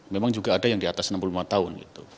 memang juga ada yang di atas enam puluh lima tahun